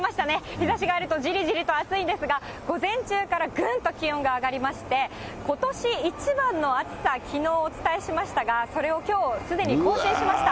日ざしがあるとじりじりと暑いんですが、午前中からぐんと気温が上がりまして、ことし一番の暑さ、きのうお伝えしましたが、それをきょうすでに更新しました。